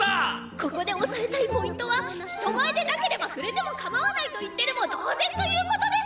ここで押さえたいポイントは人前でなければ触れてもかまわないと言ってるも同然ということです！